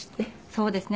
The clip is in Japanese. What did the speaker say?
そうですね。